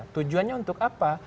tujuannya untuk apa